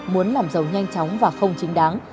muốn làm giàu nhanh chóng và không chính đáng